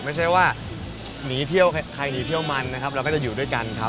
ไม่ใช่ว่าหนีเที่ยวใครหนีเที่ยวมันนะครับเราก็จะอยู่ด้วยกันครับ